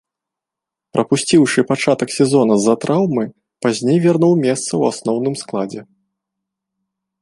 Прапусціўшы пачатак сезона з-за траўмы, пазней вярнуў месца ў асноўным складзе.